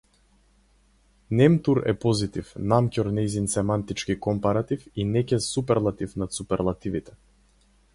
Немтур е позитив, намќор нејзин семантички компаратив и некез суперлатив над суперлативите.